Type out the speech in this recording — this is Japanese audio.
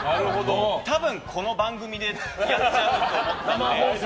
多分、この番組でやっちゃうと思ったので。